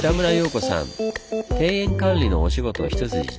庭園管理のお仕事一筋１４年。